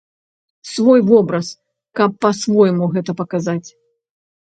Свой вобраз, каб па-свойму гэта паказаць.